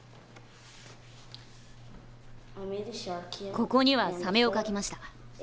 ここにはサメを描きました。